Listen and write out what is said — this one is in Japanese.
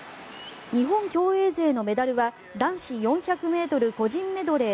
日本競泳勢のメダルは男子４００ｍ個人メドレー